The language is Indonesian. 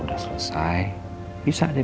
udah selesai bisa deh